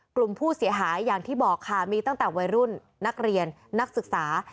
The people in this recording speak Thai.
กลุ่มผู้เสียหายอย่างที่บอกค่ะมีตั้งแต่วัยรุ่นนักเรียนนักศึกษา